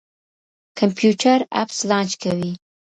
کمپيوټر اپس لانچ کوي.